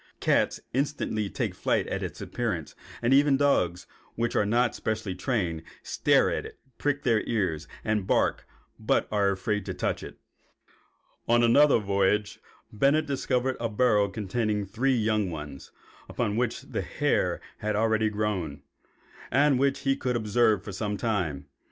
Cats instantly take flight at its appearance, and even dogs, which are not specially trained, stare at it, prick their ears, and bark, but are afraid to touch it." On another voyage Bennett discovered a burrow containing three young ones, upon which the hair had already grown, and which he could observe for some time.